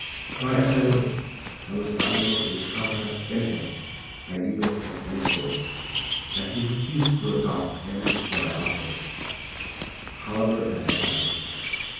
Try as I would, I was unable to discover in him ideals of any sort, and he refused to adopt any that I offered, however edifying.